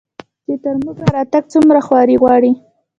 چې تر موږه راتګ څومره خواري غواړي